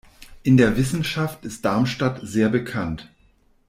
In der Wissenschaft ist Darmstadt sehr bekannt.